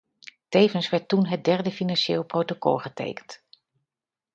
Tevens werd toen het derde financieel protocol getekend.